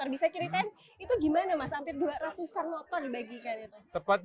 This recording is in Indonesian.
bisa ceritain itu gimana mas hampir dua ratus an